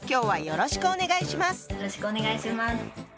よろしくお願いします。